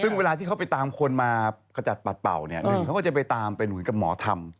ซึ่งเวลาที่เขาไปตามคนมาขจัดปัดเป่าเนี่ยหนึ่งเขาก็จะไปตามเป็นเหมือนกับหมอธรรม